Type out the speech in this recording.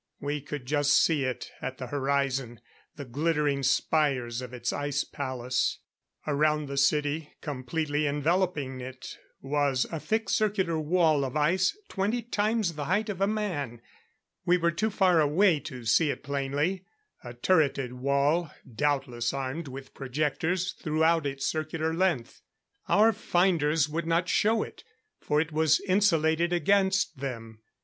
We could just see it at the horizon, the glittering spires of its Ice Palace. Around the city, completely enveloping it, was a thick circular wall of ice twenty times the height of a man. We were too far away to see it plainly a turreted wall doubtless armed with projectors throughout its circular length. Our finders would not show it, for it was insulated against them.